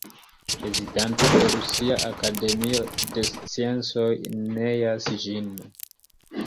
Prezidanto de Rusia Akademio de Sciencoj neas ĝin.